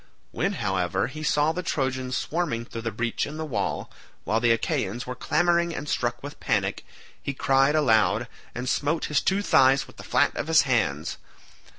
When, however, he saw the Trojans swarming through the breach in the wall, while the Achaeans were clamouring and struck with panic, he cried aloud, and smote his two thighs with the flat of his hands.